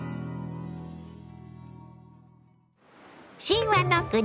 神話の国